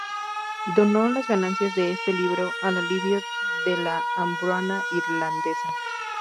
Donó las ganancias de este libro al alivio de la hambruna irlandesa.